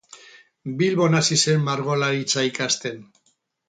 Bilbon hasi zen margolaritza ikasten.